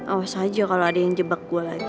awas aja kalau ada yang jebak gue lagi